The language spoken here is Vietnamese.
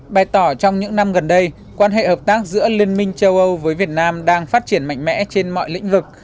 bày tỏ trong những năm gần đây quan hệ hợp tác giữa liên minh châu âu với việt nam đang phát triển mạnh mẽ trên mọi lĩnh vực